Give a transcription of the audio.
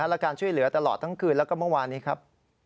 และการช่วยเหลือตลอดทั้งคืนแล้วก็เมื่อวานนี้ครับ